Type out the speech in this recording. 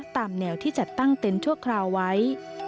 ตามแนวที่จัดตั้งเต็นต์ชั่วคราวไว้